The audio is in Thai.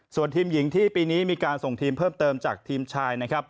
ส่วนทีมหญิงที่ปีนี้มีการส่งทีมเพิ่มเติมจากทีมชายนะครับ